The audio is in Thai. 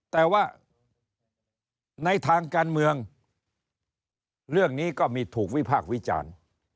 แต่ว่าในทางการเมืองเรื่องนี้ก็มีถูกวิพากษ์วิจารณ์